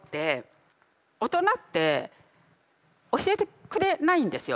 大人って教えてくれないんですよ